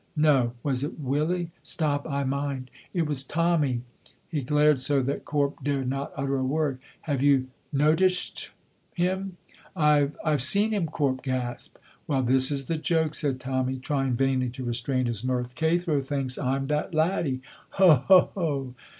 No. Was it Willie? Stop, I mind, it was Tommy." He glared so that Corp dared not utter a word. "Have you notitched him?" "I've I've seen him," Corp gasped. "Well, this is the joke," said Tommy, trying vainly to restrain his mirth, "Cathro thinks I'm that laddie! Ho! ho! ho!"